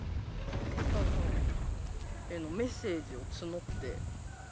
風太さんへのメッセージを募って。